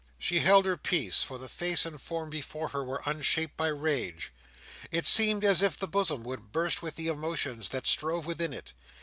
She held her peace; for the face and form before her were unshaped by rage. It seemed as if the bosom would burst with the emotions that strove within it.